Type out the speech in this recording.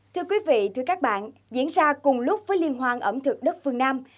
thưa quý vị thưa các bạn diễn ra cùng lúc với liên hoan ẩm thực đất phương nam